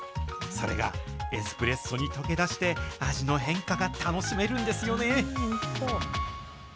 それがエスプレッソに溶け出して、味の変化が楽しめるんですよね。